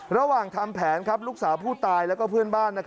ระหว่างทำแผนลูกสาวผู้ตายและเพื่อนบ้าน